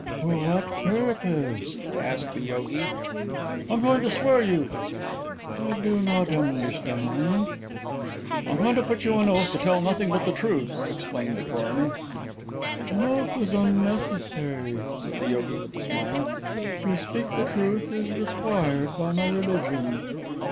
"For what purpose?" asked the yogi. "I'm going to swear you." "I do not understand." "I'm going to put you on oath to tell nothing but the truth," explained the coroner. "An oath is unnecessary," said the yogi with a smile. "To speak the truth is required by my religion."